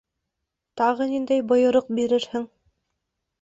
— Тағы ниндәй бойороҡ бирерһең?